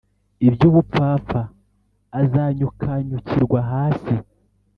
iby ubupfapfa azanyukanyukirwa hasi